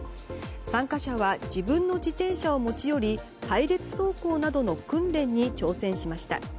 参加者は自分の自転車を持ち寄り隊列走行などの訓練に挑戦しました。